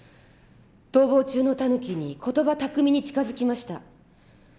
逃亡中のタヌキに言葉巧みに近づきました。